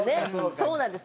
そうなんです。